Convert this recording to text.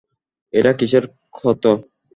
এটা কিসের ক্ষত?